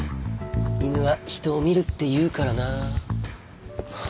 犬は人を見るって言うからな。